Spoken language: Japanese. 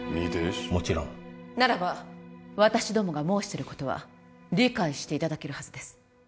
ならば私どもが申してることは理解していただけるはずです